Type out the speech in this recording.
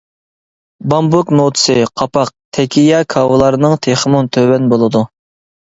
بامبۇك نوتىسى، قاپاق، تەكىيە كاۋىلارنىڭ تېخىمۇ تۆۋەن بولىدۇ.